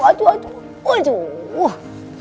aduh aduh aduh